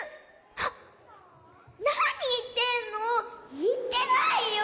あっなにいってんの。いってないよ。